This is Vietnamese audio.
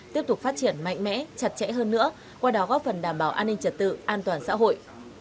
tiếp tục phát triển mạnh mẽ chặt chẽ hơn nữa qua đó góp phần đảm bảo an ninh trật tự an toàn xã hội